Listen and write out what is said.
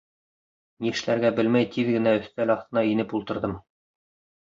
Ни эшләргә белмәй тиҙ генә өҫтәл аҫтына инеп ултырҙым.